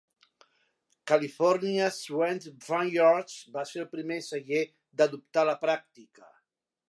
California's Wente Vineyards va ser el primer celler d'adoptar la pràctica.